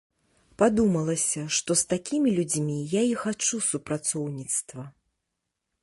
Падумалася, што з такімі людзьмі я і хачу супрацоўніцтва.